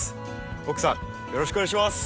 奥さんよろしくお願いします。